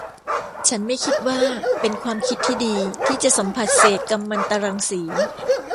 ฉันไม่คิดว่าเป็นความคิดที่ดี ที่จะสัมผัสเศษกัมมันตรังสี